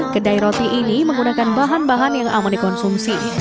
kedai roti ini menggunakan bahan bahan yang aman dikonsumsi